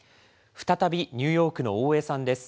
再びニューヨークの大江さんです。